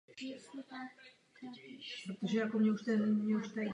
Ta Spartě uplatňovala nárok si hráče v zimě stáhnout zpět a to se stalo.